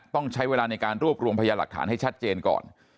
ต้องใช้เวลาในการรวบรวมพยาหลักฐานให้ชัดเจนก่อน